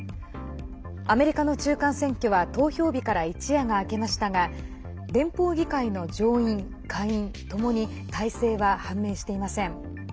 アメリカの中間選挙は投票日から一夜が明けましたが連邦議会の上院・下院ともに大勢は判明していません。